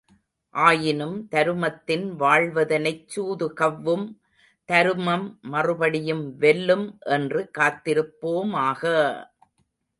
ஆயினும், தருமத்தின் வாழ்வதனைச் சூது கவ்வும் தருமம் மறுபடியும் வெல்லும் என்று காத்திருப்போமாக!